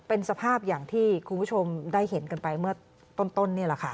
เป็นสภาพอย่างที่คุณผู้ชมได้เห็นกันไปเมื่อต้นนี่แหละค่ะ